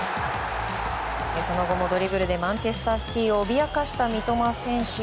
その後もドリブルでマンチェスター・シティを脅かした三笘選手。